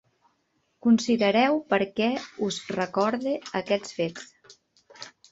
Considereu per què us recorde aquests fets;